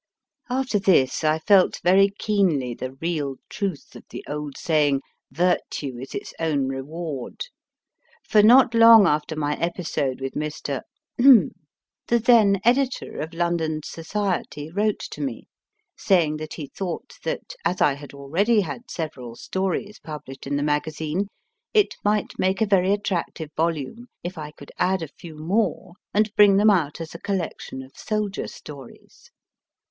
After this I felt very keenly the real truth of the old saying, Virtue is its own reward. For, not long after my episode with Mr. , the then editor of London So ciety wrote to me, say ing that he thought that as I had already had several stories pub lished in the magazine, it might make a very attractive volume if I could add a few more and bring them out as a collection of soldier stories.